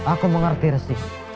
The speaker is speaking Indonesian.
aku mengerti resi